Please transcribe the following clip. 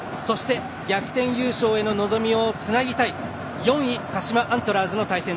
逆転優勝への望みをつなぎたい４位・鹿島アントラーズの対戦。